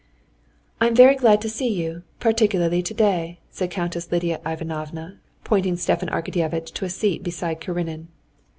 "I am very glad to see you, particularly today," said Countess Lidia Ivanovna, pointing Stepan Arkadyevitch to a seat beside Karenin.